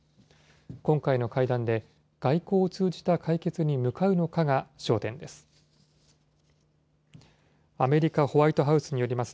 今回の会談で外交を通じた解決に向かうのかが焦点です。